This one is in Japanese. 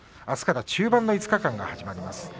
あすから中盤の５日間が始まります。